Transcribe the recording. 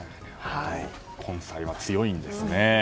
根菜は強いんですね。